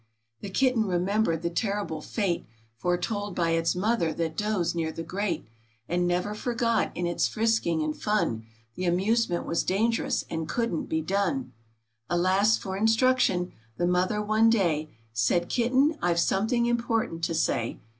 The Kitten remembered the terrible fate, Foretold by its Mother that dozed near the grate, And never forgot, in its frisking and fun, The amusement was dangerous, and couldn't he done. Alas for instruction ! The Mother one day Said, " Kitten ! I've something important to say.